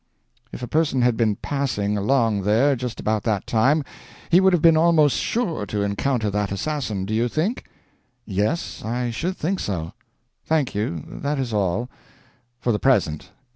If a person had been passing along there just about that time, he would have been almost sure to encounter that assassin, do you think?" "Yes, I should think so." "Thank you, that is all. For the present.